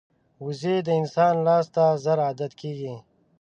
وزې د انسان لاس ته ژر عادت کېږي